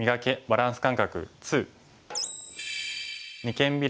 バランス感覚２」。